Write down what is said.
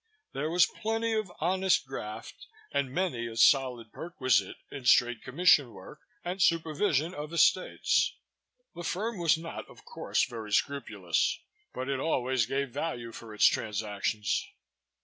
There was plenty of honest graft and many a solid perquisite in straight commission work and supervision of estates. The firm was not, of course, very scrupulous but it always gave value for its transactions.